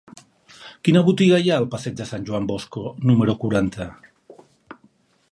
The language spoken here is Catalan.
Quina botiga hi ha al passeig de Sant Joan Bosco número quaranta?